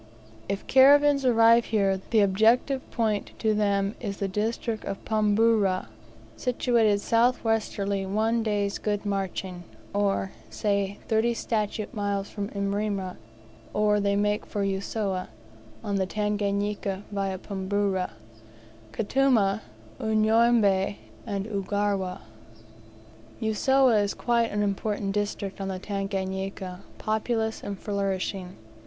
If caravans arrive here, the objective point to them is the district of Pumburu, situated south westerly one day's good marching, or, say, thirty statute miles from Imrera; or they make for Usowa, on the Tanganika, via Pumburu, Katuma, Uyombeh, and Ugarawah. Usowa is quite an important district on the Tanganika, populous and flourishing.